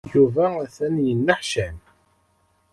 Yuba atan yenneḥcam.